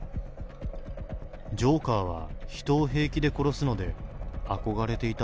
ジョーカーは人を平気で殺すので、憧れていた。